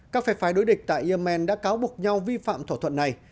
các phe phái đối địch tại yemen đã cáo buộc nhau vi phạm thỏa thuận này